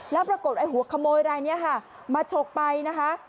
แล้วปรากฏไอ้หัวขโมยรายนี้ค่ะมาฉกไปนะคะ